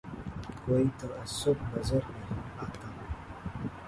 کوئی تعصب نظر نہیں آتا